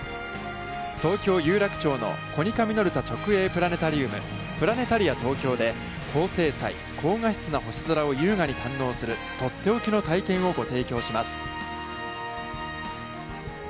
東京・有楽町のコニカミノルタ直営プラネタリウム「プラネタリアＴＯＫＹＯ」で、高精細・高画質な星空を優雅に堪能する、とっておきの体験をご提供します。